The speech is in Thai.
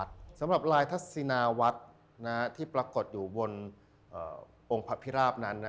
สำหรับลายทัศินาวัดที่ปรากฏอยู่บนองค์พระพิราบนั้น